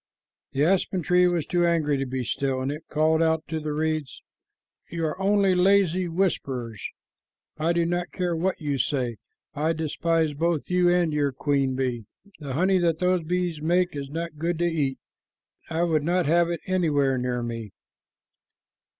The aspen tree was too angry to be still, and it called out to the reeds, "You are only lazy whisperers. I do not care what you say. I despise both you and your queen bee. The honey that those bees make is not good to eat. I would not have it a anywhere near me."